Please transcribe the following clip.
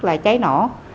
là cháy nổ